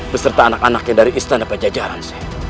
berserta anak anaknya dari istana pajajaran seh